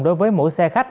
đối với mỗi xe khách